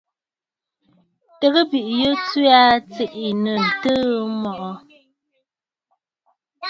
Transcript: Tɨgə bìꞌiyu tswe aa tsiꞌì nɨ̂ ǹtɨɨ mɔꞌɔ̀?